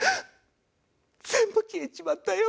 全部消えちまったよ。